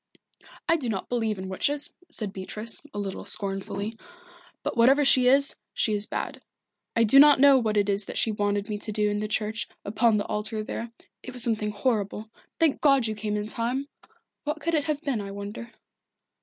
"I do not believe in witches," said Beatrice, a little scornfully. "But whatever she is, she is bad. I do not know what it was that she wanted me to do in the church, upon the altar there it was something horrible. Thank God you came in time! What could it have been, I wonder?"